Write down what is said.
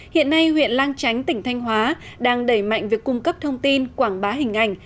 hiện nay huyện lang chánh tỉnh thanh hóa đang đẩy mạnh việc cung cấp thông tin quảng bá hình ảnh